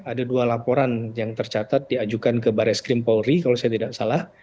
ada dua laporan yang tercatat diajukan ke barres krimpolri kalau saya tidak salah